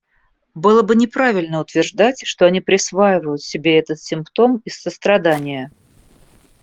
Было бы неправильно утверждать, что они присваивают себе этот симптом из сострадания.